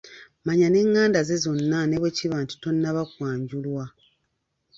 Manya n'enganda ze zonna ne bwe kiba nti tonnaba kwanjulwa.